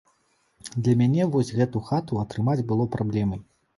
Для мяне вось гэту хату атрымаць было праблемай.